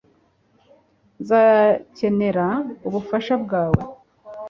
nzakenera ubufasha bwawe